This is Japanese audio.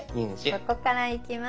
ここからいきます。